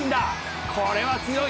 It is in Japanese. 「これは強い！